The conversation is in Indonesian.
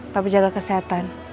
papa jaga kesehatan